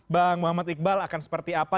bang muhammad iqbal akan seperti apa